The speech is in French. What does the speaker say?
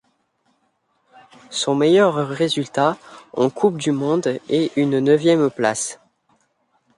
Son meilleur résultat en Coupe du monde est une neuvième place.